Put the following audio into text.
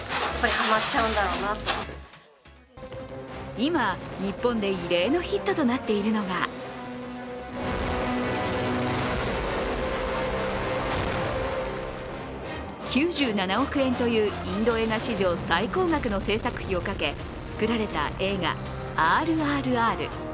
今、日本で異例のヒットとなっているのが９７億円というインド映画史上最高額の制作費をかけ作られた映画「ＲＲＲ」。